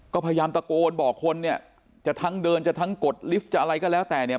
ก็พยายามตะโกนบอกคนเนี่ยจะทั้งเดินจะทั้งกดลิฟต์จะอะไรก็แล้วแต่เนี่ย